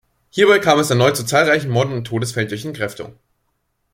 Hierbei kam es erneut zu zahlreichen Morden und Todesfällen durch Entkräftung.